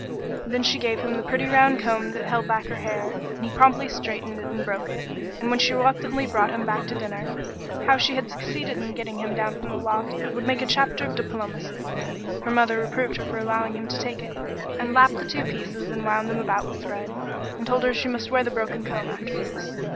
Then she gave him the pretty round comb that held back her hair, and he promptly straightened it and broke it; and when she reluctantly brought him back to dinner how she had succeeded in getting him down from the loft would make a chapter of diplomacy her mother reproved her for allowing him to take it, and lapped the two pieces and wound them about with thread, and told her she must wear the broken comb after this.